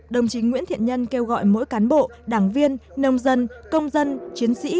đồng chí nguyễn thiện nhân kêu gọi mỗi cán bộ đảng viên nông dân công dân chiến sĩ